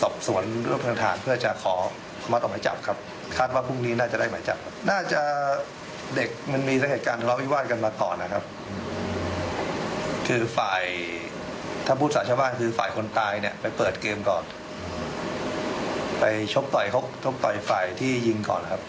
ไปชบต่อยชบต่อยฝ่ายที่ยิงก่อนครับฝ่ายก่อนหนึ่ง